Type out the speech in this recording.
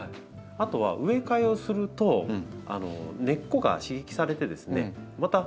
あとは植え替えをすると根っこが刺激されてですねまた成長するんですよ。